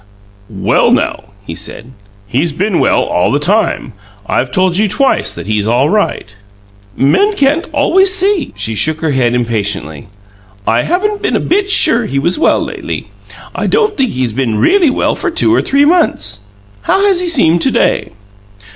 "'Well NOW?'" he said. "He's been well all the time. I've told you twice that he's all right." "Men can't always see." She shook her head impatiently. "I haven't been a bit sure he was well lately. I don't think he's been really well for two or three months. How has he seemed to day?"